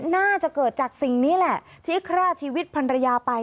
น่าจะเกิดจากสิ่งนี้แหละที่ฆ่าชีวิตภรรยาไป